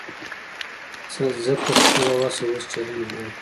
ځکه خپله وسه اوس چلنج بویه.